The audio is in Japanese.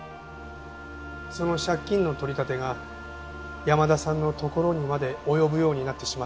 その借金の取り立てが山田さんの所にまで及ぶようになってしまったんです。